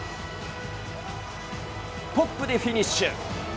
トップでフィニッシュ。